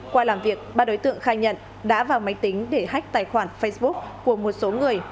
qua làm việc ba đối tượng khai nhận đã vào máy tính để hách tài khoản facebook của một số người